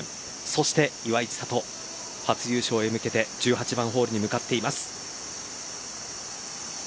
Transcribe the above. そして岩井千怜、初優勝へ向けて１８番ホールに向かっています。